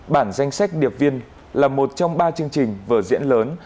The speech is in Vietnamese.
bản danh sách điệp viên là một trong ba chương trình vở diễn lớn